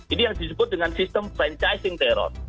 ini yang disebut dengan sistem franchising terror